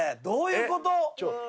どういうこと？